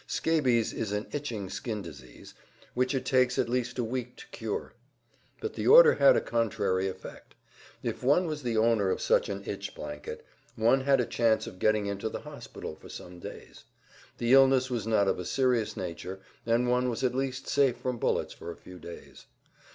Scabies is an itching skin disease, which it takes at least a week to cure. But the order had a contrary effect. If one was the owner of such an "itch blanket" one had a chance of getting into the hospital for some days. The illness was not of a serious nature, and one was at least safe from bullets for a few days.